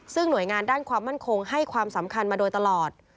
ซึ่งหน่วยงานด้านความมั่นคงให้ความสำคัญมาโดยตลอด